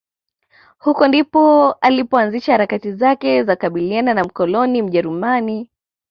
huko ndipo alipo anzisha harakati zake za kukabiliana na mkoloni Mjerumani